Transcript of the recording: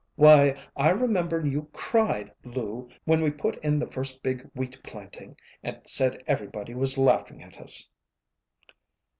Why, I remember you cried, Lou, when we put in the first big wheat planting, and said everybody was laughing at us."